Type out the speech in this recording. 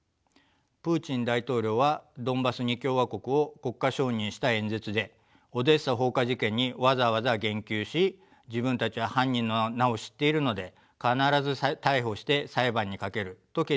プーチン大統領はドンバス２共和国を国家承認した演説でオデーサ放火事件にわざわざ言及し自分たちは犯人の名を知っているので必ず逮捕して裁判にかけると決意表明しました。